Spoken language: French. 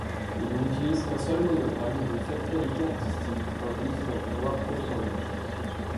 Il n'utilise qu’un seul monogramme d’une faible qualité artistique, indice d’un pouvoir peu étendu.